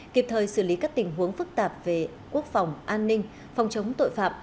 kịp thời xử lý các tình huống phức tạp về quốc phòng an ninh phòng chống tội phạm